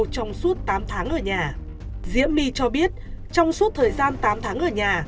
trong suốt tám tháng ở nhà diễm my cho biết trong suốt thời gian tám tháng ở nhà